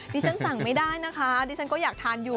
ฉันสั่งไม่ได้นะคะดิฉันก็อยากทานอยู่